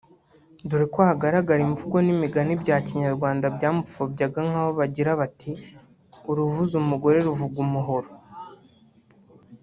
dore ko hagaragaraga imvugo n’imigani bya Kinyarwanda byamupfobyaga nk’aho bagiraga bati “Uruvuze umugore ruvuga umuhoro”